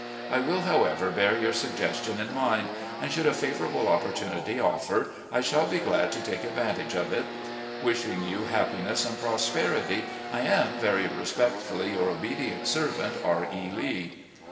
I will, however, bear your suggestion in mind, and should a favourable opportunity offer I shall be glad to take advantage of it. Wishing you happiness and prosperity, I am. Very respectfully, "Your obedient servant, "R. E. Lee."